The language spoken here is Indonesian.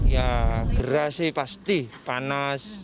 ya gerah sih pasti panas